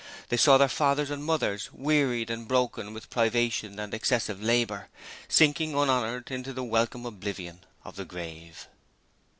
They saw their fathers and mothers, weaned and broken with privation and excessive labour, sinking unhonoured into the welcome oblivion of the grave.